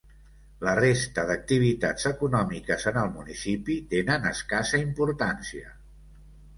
La resta d'activitats econòmiques en el municipi tenen escassa importància.